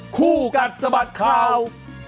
คู่กัดสะบัดข่าว